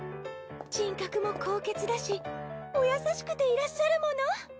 人格も高潔だしお優しくていらっしゃるもの！